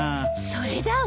それだわ！